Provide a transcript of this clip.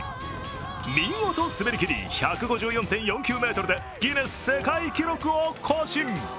見事滑りきり、１５４．４９ｍで、ギネス世界記録を更新。